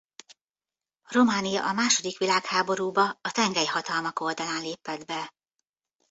Románia a második világháborúba a tengelyhatalmak oldalán lépett be.